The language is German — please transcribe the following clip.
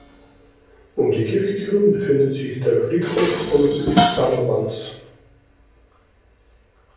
Um die Kirche herum befindet sich der Friedhof von Czarnowanz.